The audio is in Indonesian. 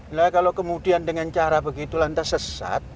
nah kalau kemudian dengan cara begitu lantas sesat